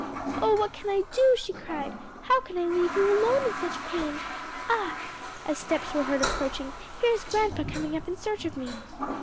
"Oh, what can I do," she cried, "how can I leave you alone in such pain? Ah!" as steps were heard approaching, "here is grandpa coming up in search of me."